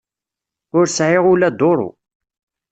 Ur sɛiɣ ula duru.